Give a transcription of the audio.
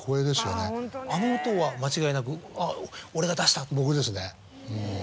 あの音は間違いなく「俺が出した」。